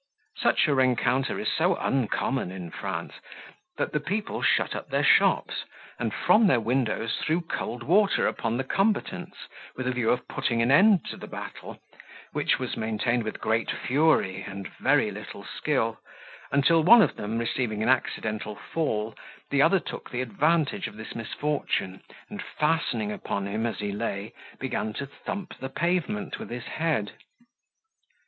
Such a rencounter is so uncommon in France, that the people shut up their shops, and from their windows threw cold water upon the combatants, with a view of putting an end to the battle, which was maintained with great fury, and very little skill, until one of them receiving an accidental fall, the other took the advantage of this misfortune, and, fastening upon him, as he lay, began to thump the pavement with his head.